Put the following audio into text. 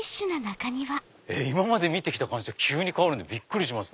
今まで見てきた感じと急に変わるんでびっくりします。